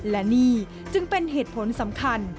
และนี่จึงเป็นเหตุผลสำคัญ